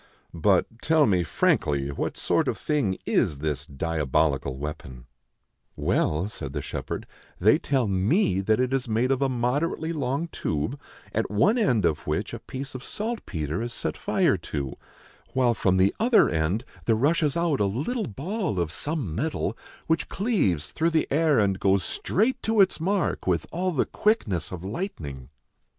But tell me frankly what sort of thing is this diabolical weapon ?" LORD ROLAND'S GRIEF *33 " Well," said the shepherd, " they tell me that it is made of a moderately long tube, at one end of which a piece of salt petre is set fire to ; while from the other end there rushes out a little ball of some metal, which cleaves through the air and goes straight to its mark with all the quickness of lightning."